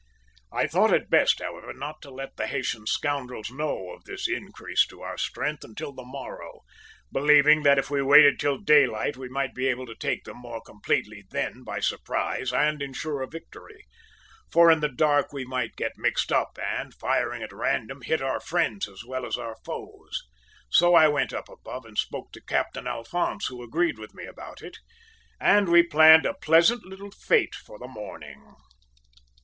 "I thought it best, however, not to let the Haytian scoundrels know of this increase to our strength until the morrow, believing that if we waited till daylight we might be able to take them more completely then by surprise and ensure a victory; for in the dark we might get mixed up and, firing at random, hit our friends as well as our foes. So I went up above and spoke to Captain Alphonse, who agreed with me about it, and we planned a pleasant little fete for the morning.